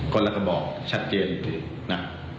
คนละก็บอกชัดเจนสินะ